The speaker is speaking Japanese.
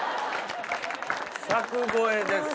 柵越えです。